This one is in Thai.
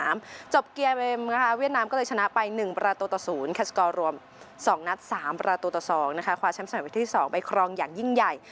สามจบเกียร์เวียดนามก็เลยชนะไปหนึ่งประตูต่อศูนย์แคสกอร์รวมสองนัดสามประตูต่อสองนะคะความแชมป์สมัยวิทยาลัยที่สองใบคลองอย่างยิ่งใหญ่